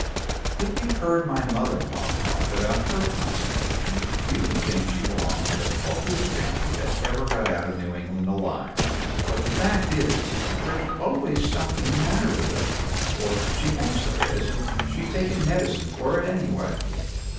"If you've heard my mother in law talk about her constitution you would think she belonged to the healthiest family that ever got out of New England alive, but the fact is there's always something the matter with her, or she thinks there is, and she's taking medicine for it, anyway.